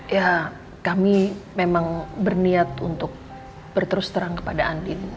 ya kami memang berniat untuk berterus terang kepada andi